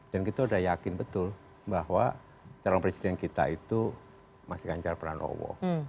dan kita udah yakin betul bahwa calon presiden kita itu masih ganjar peran allah